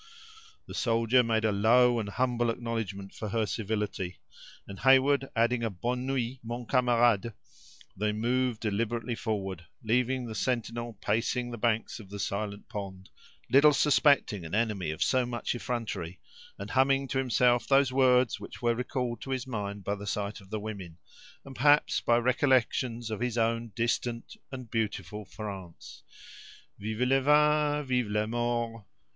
The soldier made a low and humble acknowledgment for her civility; and Heyward adding a "Bonne nuit, mon camarade," they moved deliberately forward, leaving the sentinel pacing the banks of the silent pond, little suspecting an enemy of so much effrontery, and humming to himself those words which were recalled to his mind by the sight of women, and, perhaps, by recollections of his own distant and beautiful France: "Vive le vin, vive l'amour," &c., &c.